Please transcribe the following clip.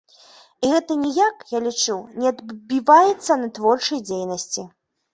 І гэта ніяк, я лічу, не адбіваецца на творчай дзейнасці.